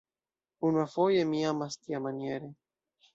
Unuafoje mi amas tiamaniere.